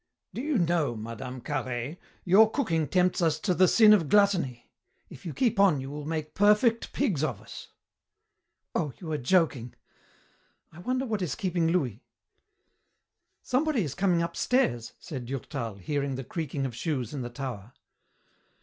"Do you know, Mme. Carhaix, your cooking tempts us to the sin of gluttony If you keep on you will make perfect pigs of us." "Oh, you are joking. I wonder what is keeping Louis." "Somebody is coming upstairs," said Durtal, hearing the creaking of shoes in the tower.